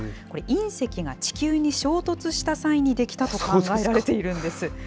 これ、隕石が地球に衝突した際に出来たと考えられているんです。